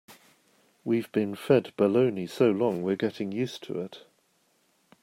We've been fed baloney so long we're getting used to it.